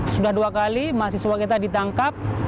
sudah dua kali mahasiswa kita ditangkap